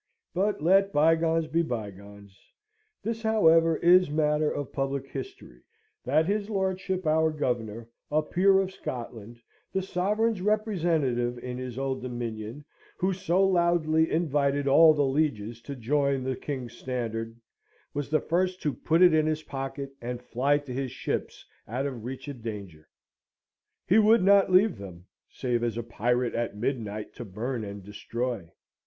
But let bygones be bygones. This, however, is matter of public history, that his lordship, our Governor, a peer of Scotland, the Sovereign's representative in his Old Dominion, who so loudly invited all the lieges to join the King's standard, was the first to put it in his pocket, and fly to his ships out of reach of danger. He would not leave them, save as a pirate at midnight to burn and destroy.